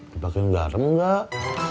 dipakein garam gak